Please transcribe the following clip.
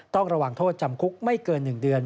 ต้องระวังโทษจำคุกไม่เกิน๑เดือน